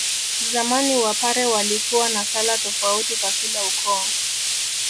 Zamani Wapare walikuwa na sala tofauti kwa kila ukoo